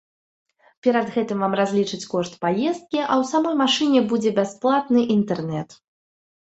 Перад гэтым вам разлічаць кошт паездкі, а ў самой машыне будзе бясплатны інтэрнэт.